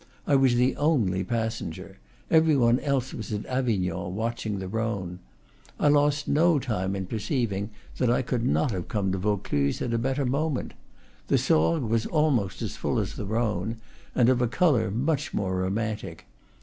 I was the only passenger; every one else was at Avignon, watching the Rhone. I lost no time in perceiving that I could not have come to Vaucluse at a better moment. The Sorgues was almost as full as the Rhone, and of a color much more romantic.